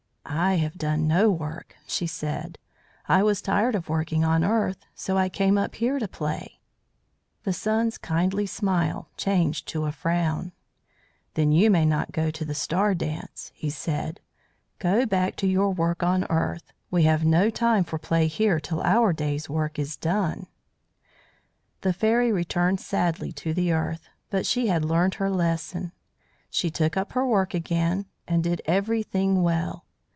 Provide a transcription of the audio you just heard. "I have done no work," she said. "I was tired of working on the earth, so I came up here to play." The Sun's kindly smile changed to a frown, "Then you may not go to the star dance," he said. "Go back to your work on the earth. We have no time for play here till our day's work is done." The Fairy returned sadly to the earth, but she had learned her lesson; she took up her work again and did everything well.